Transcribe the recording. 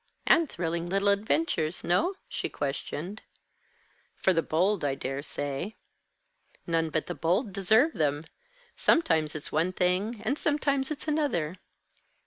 "And thrilling little adventures no?" she questioned. "For the bold, I dare say." "None but the bold deserve them. Sometimes it's one thing, and sometimes it's another."